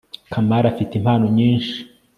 kamari afite impano nyinshi